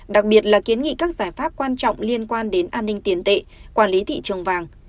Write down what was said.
đặc biệt là kiến nghị các giải pháp quan trọng liên quan đến an ninh tiền tệ quản lý thị trường vàng